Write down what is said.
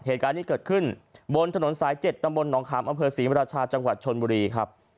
เหตุการณ์นี้เกิดขึ้นบนถนนสาย๗ตำบลหนองขามอำเภอศรีมราชาจังหวัดชนบุรีครับ